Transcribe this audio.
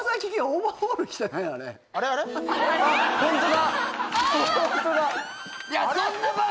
ホントだあ！